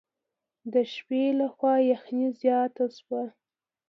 د شپې له خوا یخني زیاته شوه.